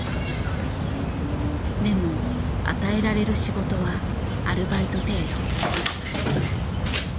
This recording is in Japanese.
でも与えられる仕事はアルバイト程度。